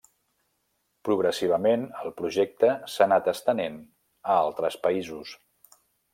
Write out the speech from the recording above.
Progressivament, el projecte s'ha anat estenent a altres països.